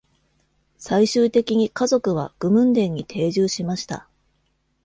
最終的に家族はグムンデンに定住しました。